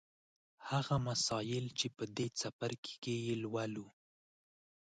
هغه مسایل چې په دې څپرکي کې یې لولو